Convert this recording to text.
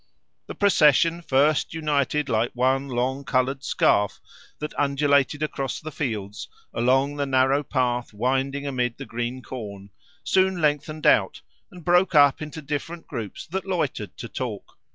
The procession, first united like one long coloured scarf that undulated across the fields, along the narrow path winding amid the green corn, soon lengthened out, and broke up into different groups that loitered to talk.